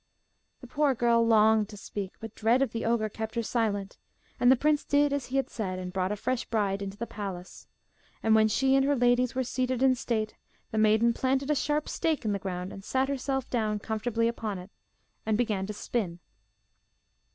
The poor girl longed to speak, but dread of the ogre kept her silent, and the prince did as he had said, and brought a fresh bride into the palace. And when she and her ladies were seated in state, the maiden planted a sharp stake in the ground, and sat herself down comfortably on it, and began to spin.